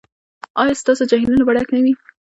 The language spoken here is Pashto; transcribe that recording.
ایا ستاسو جهیلونه به ډک نه وي؟